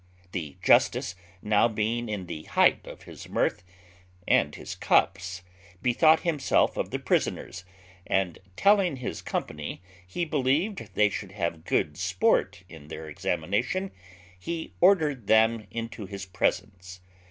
The justice, now being in the height of his mirth and his cups, bethought himself of the prisoners; and, telling his company he believed they should have good sport in their examination, he ordered them into his presence.